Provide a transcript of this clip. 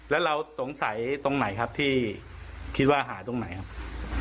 แล้วเราสงสัยตรงไหนครับที่คิดว่าหาตรงไหนครับ